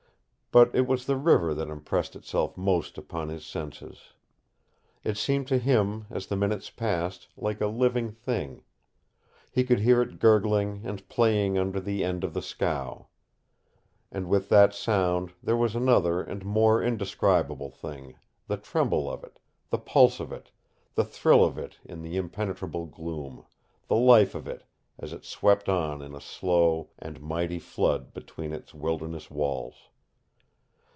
But it was the river that impressed itself most upon his senses. It seemed to him, as the minutes passed, like a living thing. He could hear it gurgling and playing under the end of the scow. And with that sound there was another and more indescribable thing, the tremble of it, the pulse of it, the thrill of it in the impenetrable gloom, the life of it as it swept on in a slow and mighty flood between its wilderness walls.